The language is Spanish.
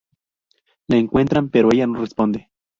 La encuentran pero ella no responde.